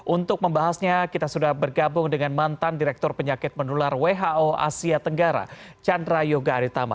untuk membahasnya kita sudah bergabung dengan mantan direktur penyakit menular who asia tenggara chandra yoga aritama